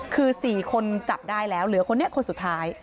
คือ๔คนจับได้แล้วเหลือคนนี้คนสุดท้าย